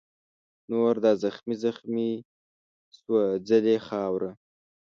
نور دا زخمې زخمي سوځلې خاوره